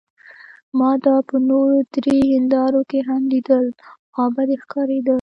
ما دا په نورو درې هندارو کې هم لیدل، خوابدې ښکارېده.